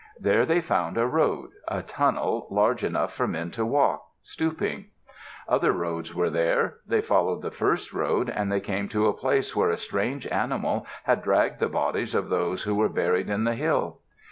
There they found a road, a tunnel, large enough for men to walk, stooping. Other roads there were. They followed the first road and they came to a place where a strange animal had dragged the bodies of those who were buried in the hill.